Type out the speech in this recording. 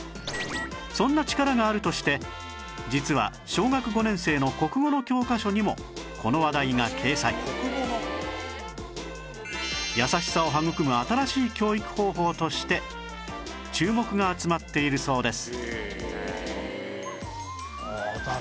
そんな力があるとして実は小学５年生の国語の教科書にもこの話題が掲載として注目が集まっているそうです